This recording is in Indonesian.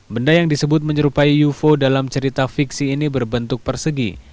benda yang disebut menyerupai ufo dalam cerita fiksi ini berbentuk persegi